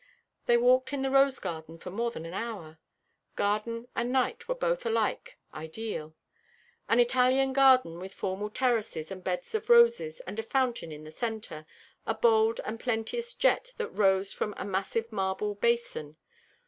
They walked in the rose garden for more than an hour. Garden and night were both alike ideal. An Italian garden, with formal terraces, and beds of roses, and a fountain in the centre, a bold and plenteous jet that rose from a massive marble basin.